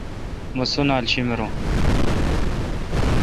مہ سنالا شیمرون۔